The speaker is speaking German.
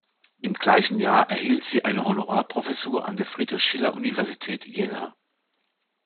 Im gleichen Jahr erhielt sie eine Honorarprofessur an der Friedrich-Schiller-Universität Jena.